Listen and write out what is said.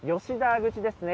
口ですね。